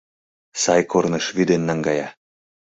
Сай корныш вӱден наҥгая